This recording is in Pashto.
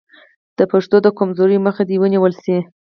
د پښتو د کمزورۍ مخه دې ونیول شي.